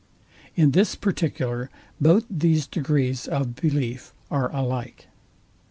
In this particular both these degrees of belief are alike.